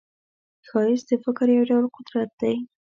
ښایست د فکر یو ډول قدرت دی